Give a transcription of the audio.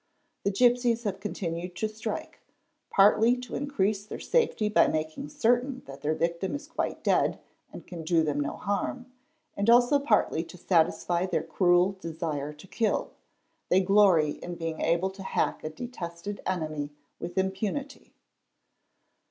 The gipsies have continued to strike, partly to increase their safety by making certain that their victim is quite dead and can do them no harm, and also partly to satisfy their cruel desire to kill; they glory in being able to hack a detested enemy with impunity.